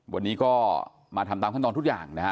วันนี้ก็มาทำตามขั้นตอนทุกอย่างนะฮะ